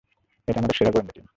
এটা আমাদের সেরা গোয়েন্দা টিম।